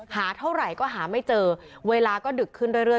หาเท่าไหร่ก็หาไม่เจอเวลาก็ดึกขึ้นเรื่อย